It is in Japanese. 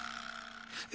え